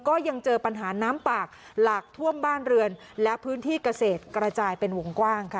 ก็ยังเจอปัญหาน้ำปากหลากท่วมบ้านเรือนและพื้นที่เกษตรกระจายเป็นวงกว้างค่ะ